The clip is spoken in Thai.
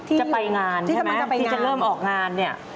ตอนที่จะไปงานใช่ไหมที่จะเริ่มออกงานนี่